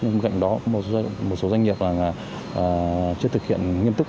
nhưng gạnh đó một số doanh nghiệp chưa thực hiện nghiêm túc